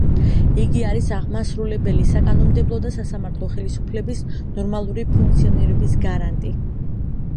იგი არის აღმასრულებელი, საკანონმდებლო და სასამართლო ხელისუფლების ნორმალური ფუნქციონირების გარანტი.